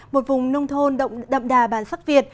một vùng nông thôn đậm đà bản sắc việt